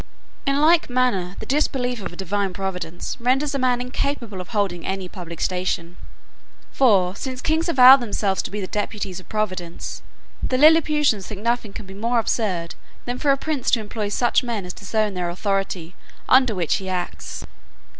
In like manner, the disbelief of a Divine Providence renders a man incapable of holding any public station; for, since kings avow themselves to be the deputies of Providence, the Lilliputians think nothing can be more absurd than for a prince to employ such men as disown the authority under which he acts.